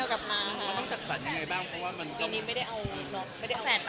คือนี้ไม่ได้เอานม